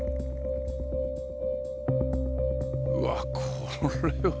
うわっこれは。